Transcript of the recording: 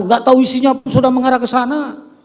nggak tahu isinya pun sudah mengarah ke sana